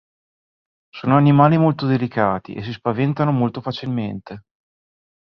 Sono animali molto delicati e si spaventano molto facilmente.